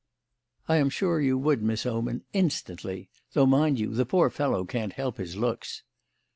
"I am sure you would, Miss Oman, instantly; though, mind you, the poor fellow can't help his looks."